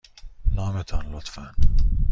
نام تان، لطفاً.